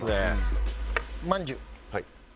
はい。